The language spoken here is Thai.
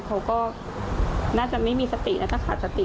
เขาก็น่าจะไม่มีสติน่าจะขาดสติ